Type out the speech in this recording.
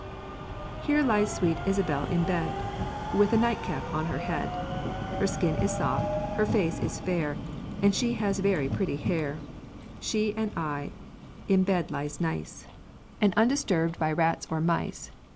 "Here lies sweet Isabel in bed, With a night cap on her head; Her skin is soft, her face is fair, And she has very pretty hair; She and I in bed lies nice, And undisturbed by rats or mice.